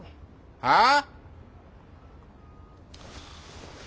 はあ？